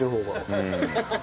うん。